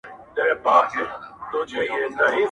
د هغوی به همېشه خاوري په سر وي -